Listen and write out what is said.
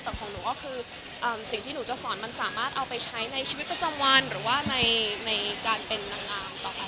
แต่ของหนูก็คือสิ่งที่หนูจะสอนมันสามารถเอาไปใช้ในชีวิตประจำวันหรือว่าในการเป็นนางงามต่อไป